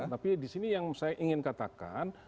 tapi disini yang saya ingin katakan